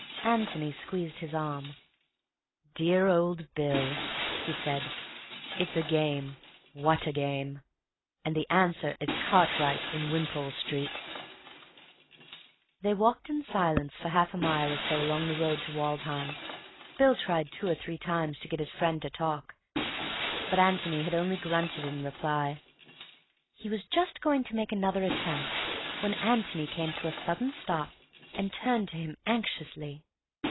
Antony squeezed his arm. "Dear old Bill," he said. "It's a game. What a game! And the answer is Cartwright in Wimpole Street." They walked in silence for half a mile or so along the road to Woodham. Bill tried two or three times to get his friend to talk, but Antony had only grunted in reply. He was just going to make another attempt, when Antony came to a sudden stop and turned to him anxiously.